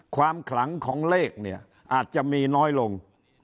ขลังของเลขเนี่ยอาจจะมีน้อยลง